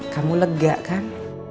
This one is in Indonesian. kamu lega kan